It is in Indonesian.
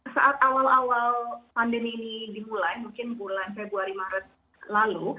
saat awal awal pandemi ini dimulai mungkin bulan februari maret lalu